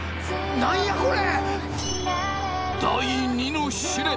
何やこれ！？